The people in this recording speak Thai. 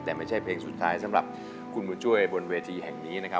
แต่ไม่ใช่เพลงสุดท้ายสำหรับคุณบุญช่วยบนเวทีแห่งนี้นะครับ